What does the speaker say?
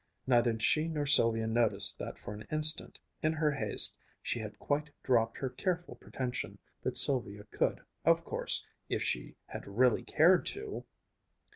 Neither she nor Sylvia noticed that for an instant, in her haste, she had quite dropped her careful pretension that Sylvia could, of course, if she had really cared to....